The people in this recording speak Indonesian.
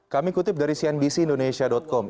kami kutip dari cnbc indonesia com